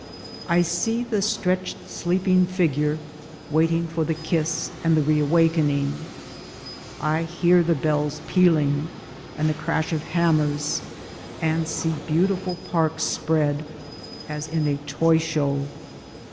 I see the stretched sleeping figure — waiting for the kiss and the re awakening. I hear the bells pealing, and the crash of hammers, and see beautiful parks spread — as in toy show.